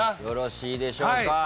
よろしいでしょうか。